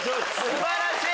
素晴らしい！